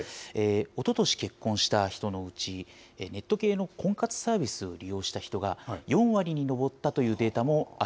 おととし結婚した人のうち、ネット系の婚活サービスを利用した人が４割に上ったというデータ